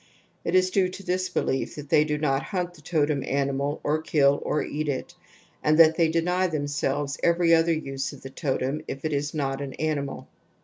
It is due to this belief that they do not hunt the totem animal or kill or eat it, and that they deny themselves every other use of the totem if it is not an animal.